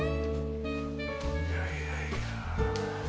いやいやいや。